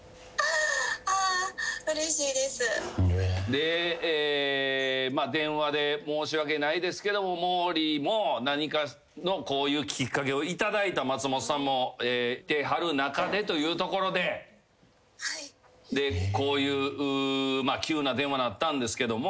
でえまあ電話で申し訳ないですけど毛利も何かのこういうきっかけを頂いた松本さんもいてはる中でというところでこういうまあ急な電話になったんですけども。